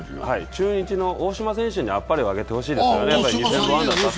中日の大島選手にあっぱれをあげてほしいですよね。